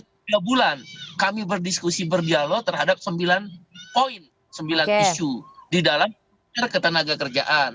setelah tiga bulan kami berdiskusi berdialog terhadap sembilan isu di dalam perkenaan ketenaga kerjaan